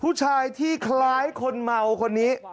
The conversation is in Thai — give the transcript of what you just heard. ผู้ชายที่คล้ายคนเมาคนนี้